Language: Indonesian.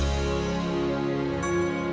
aku sudah tahu